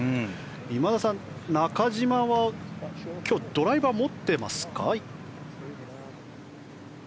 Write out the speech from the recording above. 今田さん、中島は今日ドライバーを持っていますか？